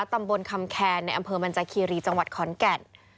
ตำบลคำแคนในอำเภอมันจาคีรีจังหวัดขอนแก่น